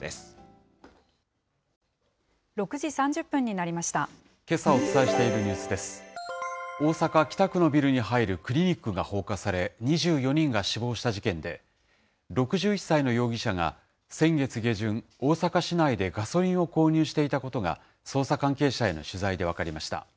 大阪・北区のビルに入るクリニックが放火され、２４人が死亡した事件で、６１歳の容疑者が先月下旬、大阪市内でガソリンを購入していたことが、捜査関係者への取材で分かりました。